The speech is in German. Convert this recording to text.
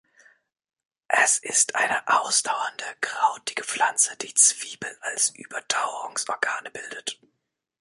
Es ist eine ausdauernde krautige Pflanze, die Zwiebeln als Überdauerungsorgane bildet.